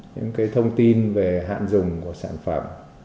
những cái thông tin về hạn dùng của sản phẩm